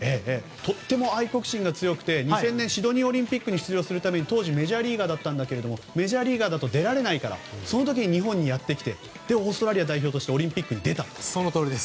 とても愛国心が強くて２０００年シドニーオリンピックに出場するために当時メジャーリーガーだったんですがメジャーリーガーだと出られないからその時に日本にやってきてオーストラリア代表としてオリンピックに出たと。